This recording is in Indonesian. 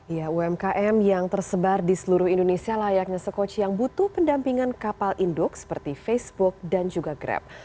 ya umkm yang tersebar di seluruh indonesia layaknya sekoci yang butuh pendampingan kapal induk seperti facebook dan juga grab